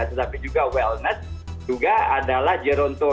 tetapi juga wellness juga adalah jeronto